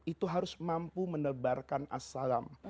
itu harus mampu menebarkan as salam